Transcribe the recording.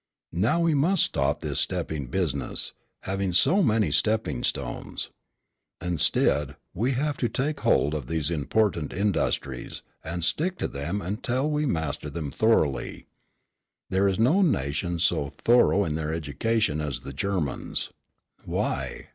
Now we must stop this stepping business, having so many stepping stones. Instead, we have got to take hold of these important industries, and stick to them until we master them thoroughly. There is no nation so thorough in their education as the Germans. Why?